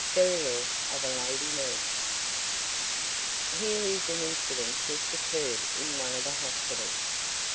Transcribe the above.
BURIAL OF A LADY NURSE Here is an incident just occurr'd in one of the hospitals.